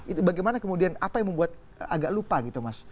itu bagaimana kemudian apa yang membuat agak lupa gitu mas